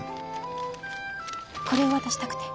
これを渡したくて。